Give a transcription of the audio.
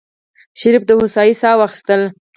شريف د هوسايۍ سا واخيستله.